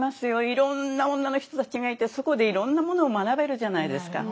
いろんな女の人たちがいてそこでいろんなものを学べるじゃないですか。